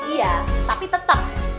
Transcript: iya tapi tetep